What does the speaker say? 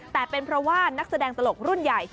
แต่เป็นเพราะว่านักแสดงตลกรุ่นใหญ่